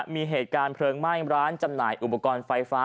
มีเหตุการณ์เพลิงไหม้ร้านจำหน่ายอุปกรณ์ไฟฟ้า